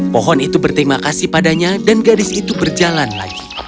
pohon itu berterima kasih padanya dan gadis itu berjalan lagi